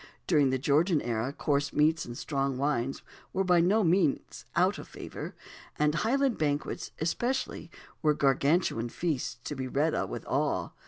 During the Georgian era coarse meats and strong wines were by no means out of favour; and Highland banquets especially were Gargantuan feasts, to be read of with awe.